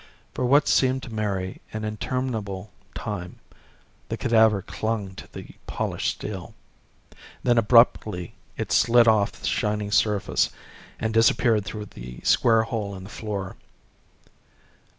For what seemed to Mary an interminable time, the cadaver clung to the polished steel. Then abruptly it slid off the shining surface and disappeared through the square hole in the floor.